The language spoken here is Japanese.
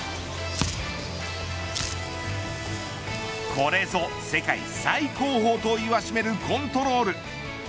これぞ世界最高峰と言わしめるコントロール。